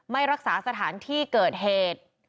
ไม่รักษาสถานที่เกิดเหตุ